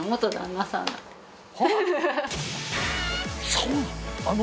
そうなの？